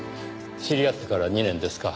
知り合ってから２年ですか。